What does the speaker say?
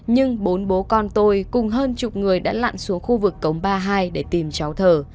nhưng bốn bố con tôi cùng hơn chục người đã lặn xuống khu vực cống ba hai để tìm cháu thở